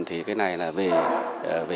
thì cái này là về